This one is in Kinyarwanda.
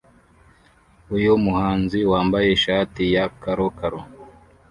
Uyu muhanzi wambaye ishati ya karokaro